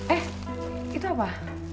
eh itu apa